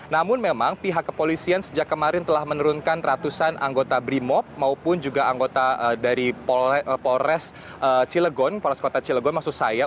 namun memang pihak kepolisian sejak kemarin telah menurunkan ratusan anggota brimop maupun juga anggota dari polres cilegon polres kota cilegon maksud saya